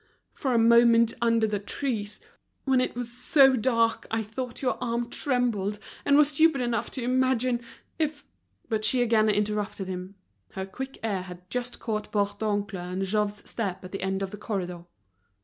For a moment under the trees, when it was so dark, I thought your arm trembled, and was stupid enough to imagine. If—" But she again interrupted him. Her quick ear had just caught Bourdoncle's and Jouve's steps at the end of the corridor.